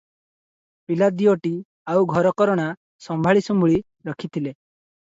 ପିଲା ଦିଓଟି ଆଉ ଘରକରଣା ସମ୍ଭାଳିସମ୍ଭୁଳି ରଖିଥିଲେ ।